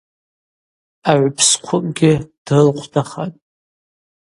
Агӏвпсхъвыкӏгьи дрылхъвдахатӏ.